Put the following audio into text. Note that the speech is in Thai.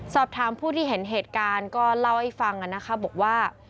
สอบถามผู้ที่เห็นเหตุการณ์ก็เล่าให้ฟังนะคะบอกว่า